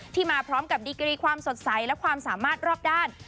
มาพร้อมกับดีกรีความสดใสและความสามารถรอบด้าน